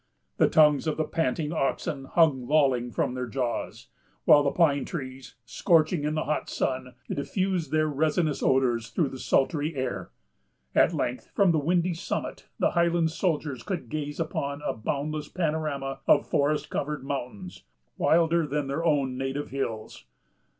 The tongues of the panting oxen hung lolling from their jaws; while the pine trees, scorching in the hot sun, diffused their resinous odors through the sultry air. At length from the windy summit the Highland soldiers could gaze around upon a boundless panorama of forest covered mountains, wilder than their own native hills.